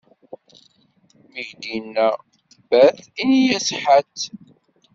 Mi k-d-inna: bat, ini-yas: ḥatt.